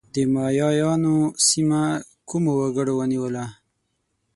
د مایایانو سیمه کومو وګړو ونیوله؟